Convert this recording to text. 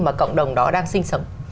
mà cộng đồng đó đang sinh sống